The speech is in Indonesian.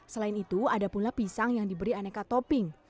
selain itu ada pula pisang yang diberi aneka topping